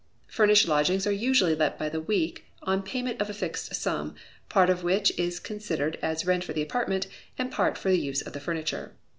Furnished lodgings are usually let by the week, on payment of a fixed sum, part of which is considered as rent for the apartment, and part for the use of the furniture.